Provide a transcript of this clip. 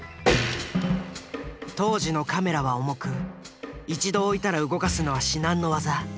当時のカメラは重く一度置いたら動かすのは至難の業。